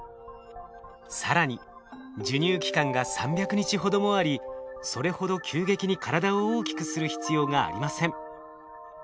更に授乳期間が３００日ほどもありそれほど急激に体を大きくする必要がありません。